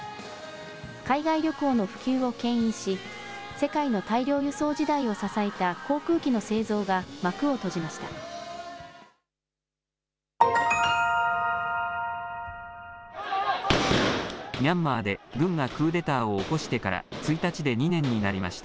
海外旅行の普及をけん引し、世界の大量輸送時代を支えた航空機の製造が幕を閉じました。